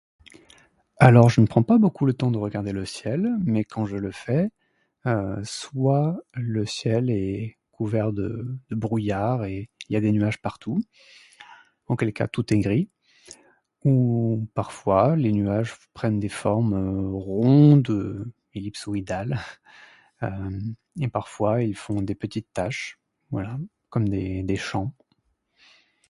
Alors, je ne prends pas beaucoup le temps de regarder le ciel, mais quand je le fais, euh, soit le ciel est couvert de brouillard et il y a des nuages partout, auquel cas tout est gris, ou parfois les nuages prennent des formes, euh, rondes, ellipsoïdales, euhm, et parfois ils font des petites taches, voilà, comme les, les champs.